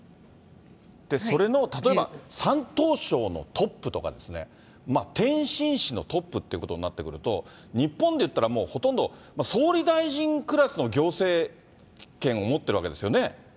それの例えば山東省のトップとかですね、天津市のトップということになってくると、日本で言ったらもうほとんど総理大臣クラスの行政権を持ってるわはい。